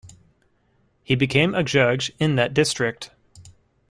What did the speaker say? He became a judge in that district.